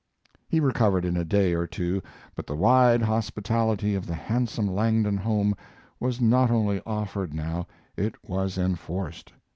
He recovered in a day or two, but the wide hospitality of the handsome Langdon home was not only offered now; it was enforced.